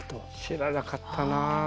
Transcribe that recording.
知らなかったな。